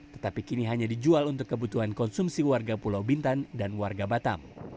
tetapi kini hanya dijual untuk kebutuhan konsumsi warga pulau bintan dan warga batam